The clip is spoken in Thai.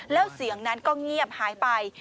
แล้วเสียงนั้นก็เงียบหายไป